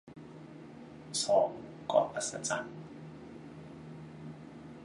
สอง เกาะอัศจรรย์